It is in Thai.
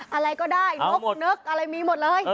อะไรก็ได้นกนึกอะไรมีหมดเลย